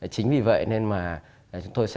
chính vì vậy nên mà chúng tôi sẽ